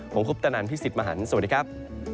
ผมคุปตะนันพี่สิทธิ์มหันฯสวัสดีครับ